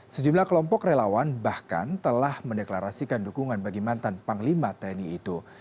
sejumlah kelompok relawan bahkan telah mendeklarasikan dukungan bagi mantan panglima tni itu